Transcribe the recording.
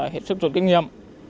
hiệp sức sử dụng kinh nghiệm